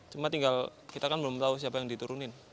cuma tinggal kita kan belum tahu siapa yang diturunin